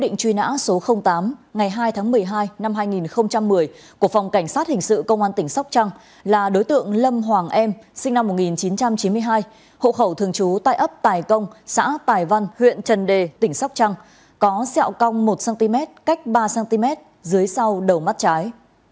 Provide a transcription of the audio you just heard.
định truy nã số tám ngày hai tháng một mươi hai năm hai nghìn một mươi của phòng cảnh sát hình sự công an tỉnh sóc trăng là đối tượng lâm hoàng em sinh năm một nghìn chín trăm chín mươi hai hộ khẩu thường trú tại ấp tài công xã tài văn huyện trần đề tỉnh sóc trăng có xẹo cong một cm cách ba cm dưới sau đầu mắt trái